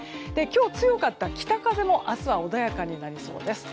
今日強かった北風も明日は穏やかになりそうです。